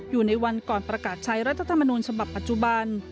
อยู่ในวันก่อนประกาศใช้รัฐธรรมนูญฉบับปัจจุบัน